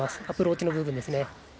アプローチの部分で。